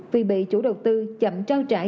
vì bị chủ đầu tư chậm trao trải